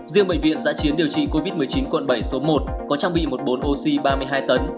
riêng bệnh viện giã chiến điều trị covid một mươi chín quận bảy số một có trang bị một bồn oxy ba mươi hai tấn